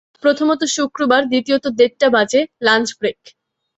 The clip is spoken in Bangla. প্রথমত শুক্রবার, দ্বিতীয়ত দেড়টা বাজে, লাঞ্চ ব্রেক।